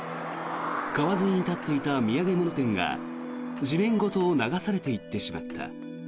川沿いに立っていた土産物店が地面ごと流されていってしまった。